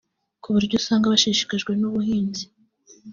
ku buryo usanga bashishikajwe n’ubuhinzi